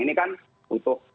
ini kan untuk pentahapan